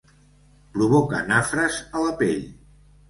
Provoca nafres a la pell.